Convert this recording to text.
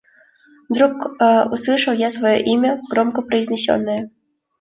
Вдруг услышал я свое имя, громко произнесенное.